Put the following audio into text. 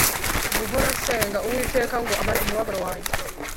guhora nsenga uwiteka ngo amare umubabaro wanjye